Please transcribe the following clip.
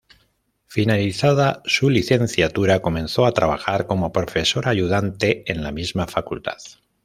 Finalizada su licenciatura comenzó a trabajar como profesora ayudante en la misma facultad.